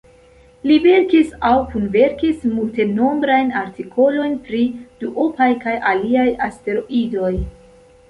Li verkis aŭ kunverkis multenombrajn artikolojn pri duopaj kaj aliaj asteroidoj.